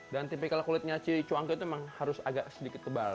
dan tipikal kulitnya cuang itu memang harus agak sedikit tebal